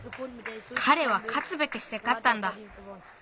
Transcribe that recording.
かれはかつべくしてかったんだ。